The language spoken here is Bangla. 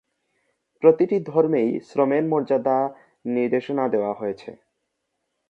প্রতিটি ধর্মেই শ্রমের মর্যাদা নির্দেশনা দেওয়া হয়েছে।